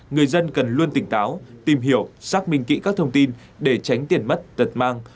người dân cần luôn tỉnh táo tìm hiểu xác minh kỹ các thông tin để tránh tiền mất tật mang